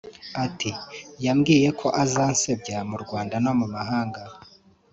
Ati “Yambwiye ko azansebya mu Rwanda no mu mahanga